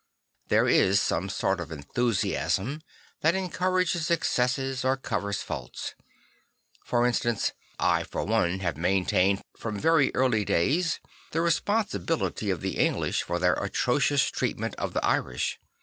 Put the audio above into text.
There is some sort of enthusiasm that encourages excesses or covers faults. For instance, I for one have maintained from very early days the responsibility of the English for their atrocious treatment of the Irish.